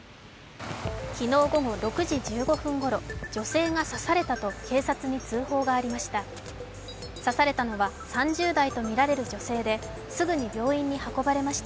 昨日午後６時１５分ごろ女性が刺されたと警察に通報がありました。